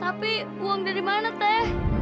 tapi uang dari mana teh